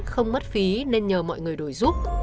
không mất phí nên nhờ mọi người đổi giúp